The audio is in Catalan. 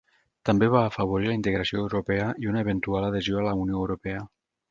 També va afavorir la integració europea i una eventual adhesió a la Unió Europea.